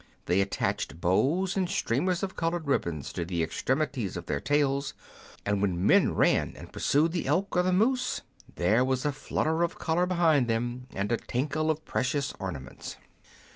They attached bows and streamers of coloured ribbons to the extremities of their tails, and when men ran and pursued the elk or the moose, there was a flutter of colour behind them, and a tinkle of precious ornaments.